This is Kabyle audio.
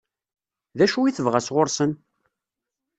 D acu i tebɣa sɣur-sen?